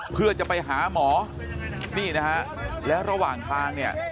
เพื่อจะไปหาหมอนี่นะฮะแล้วระหว่างทางเนี่ย